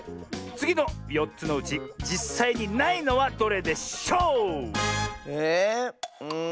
つぎの４つのうちじっさいにないのはどれでしょう